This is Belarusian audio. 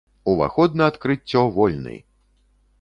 Уваход на адкрыццё вольны!